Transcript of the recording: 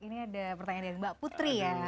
ini ada pertanyaan dari mbak putri ya